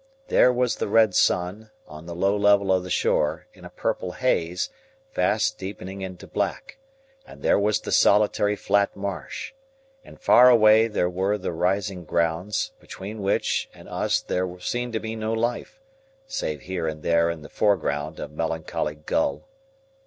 There was the red sun, on the low level of the shore, in a purple haze, fast deepening into black; and there was the solitary flat marsh; and far away there were the rising grounds, between which and us there seemed to be no life, save here and there in the foreground a melancholy gull.